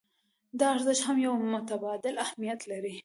دا ارزښت هم يو متبادل اهميت لري.